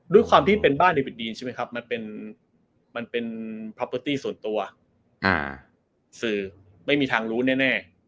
ด้วยความที่เป็นบ้านเดบิตดีนใช่ไหมครับมันเป็นพาเปอร์ตี้ส่วนตัวสื่อไม่มีทางรู้แน่